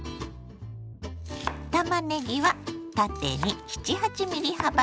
たまねぎは縦に７８ｍｍ幅に切ります。